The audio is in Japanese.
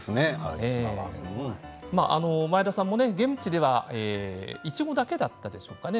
前田さんも現地ではいちごだけだったでしょうかね